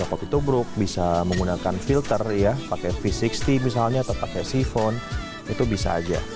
untuk bisa menggunakan filter ya pakai v enam puluh misalnya atau pakai sifon itu bisa saja